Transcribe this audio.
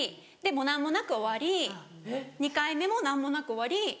でもう何もなく終わり２回目も何もなく終わり。